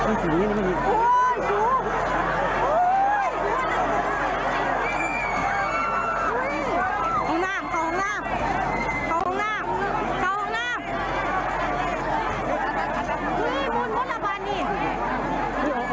นี่นี่นี่นี่โอ้ยโอ้ย